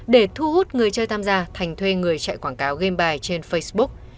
để thu hút người chơi tham gia thành thuê người chạy quảng cáo game bài trên facebook